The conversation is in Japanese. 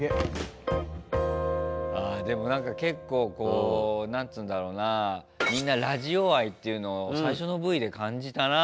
あでもなんか結構こう何つうんだろうなみんなラジオ愛っていうのを最初のＶで感じたなあ。